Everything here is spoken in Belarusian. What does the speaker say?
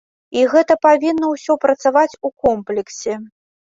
І гэта павінна ўсё працаваць у комплексе.